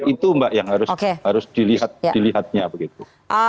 itu mbak yang harus dilihat dilihatnya begitu